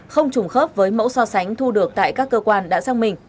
không trùng khớp với mẫu so sánh thu được tại các cơ quan đã sang mình